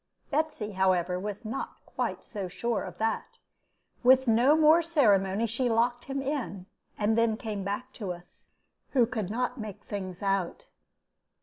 Betsy, however, was not quite so sure of that. With no more ceremony she locked him in, and then came back to us, who could not make things out.